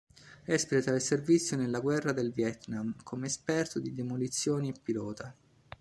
Espleta il servizio nella Guerra del Vietnam, come esperto di demolizioni e pilota.